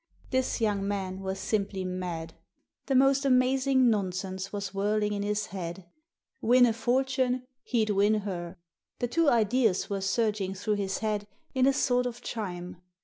This young man was simply mad. The most amazing nonsense was whirling in his head. Win a fortune — ^he'd win her. The two ideas were surging though his head in a sort of chime.